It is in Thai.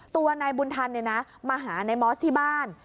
ตัวนายบุญธันมาหานายมอสที่บ้าน